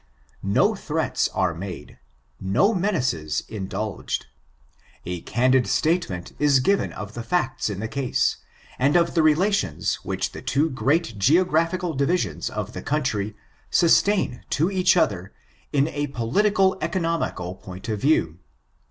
No threats are made — ^no menaces indulged. A candid statement is given of the facts in the case, and of the relations which the two great geographical divisions of the country sustain to each other in a politico economical point of view.